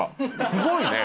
すごいね。